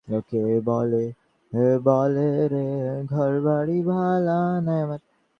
ইন্দ্রানী সে শ্রেষ্ঠতা ভুলিতে পারে না।